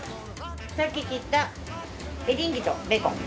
さっき切ったエリンギとベーコン。